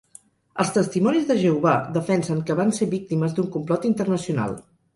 Els Testimonis de Jehovà defensen que van ser víctimes d'un complot internacional.